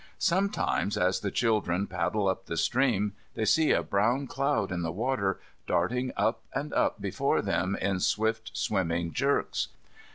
Sometimes as the children paddle up the stream they see a brown cloud in the water, darting up and up before them in swift swimming jerks.